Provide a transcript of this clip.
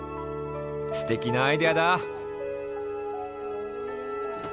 すてきなアイデアだ！